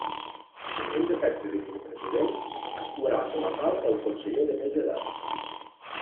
En defecte de vicepresident actuarà com a tal el conseller de més edat.